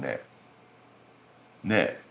ねえ。